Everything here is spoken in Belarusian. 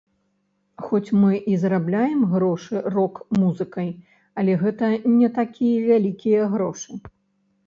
Хоць мы і зарабляем грошы рок-музыкай, але гэта не такія вялікія грошы.